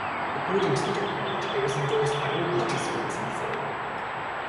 According to the document, it was endorsed by all participants in the forum.